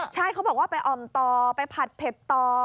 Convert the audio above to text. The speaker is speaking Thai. ใช่เขาบอกว่าไปอ่อมต่อไปผัดเผ็ดต่อ